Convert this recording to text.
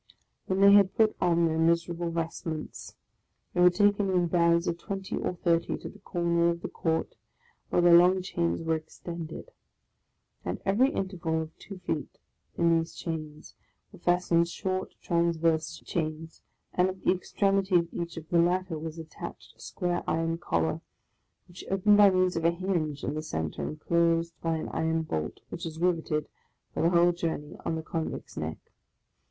When they had put on their miserable vestments, they were taken in bands of twenty or thirty to the corner of tlie court where the long chains were extended. At every interval of two feet in these chains were fastened short transverse chains, and at the extremity of each of the latter was attached a square iron collar, which opened by means of a hinge in the centre and closed by an iron bolt, which is riveted, for the whole journey, on the convict's neck.